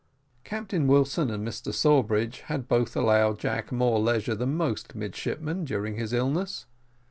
Captain Wilson and Mr Sawbridge had both allowed Jack more leisure than most midshipmen, during his illness.